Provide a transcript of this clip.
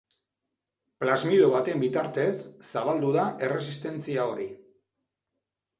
Plasmido baten bitartez zabaldu da erresistentzia hori.